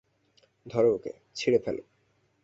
ধরো ওকে, ছিঁড়ে ফেলো।